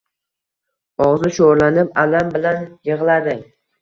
Og‘zi sho‘rlanib alam bilan yig‘ladi.